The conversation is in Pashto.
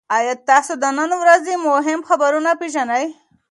ایا تاسي د نن ورځې مهم خبرونه پېژنئ؟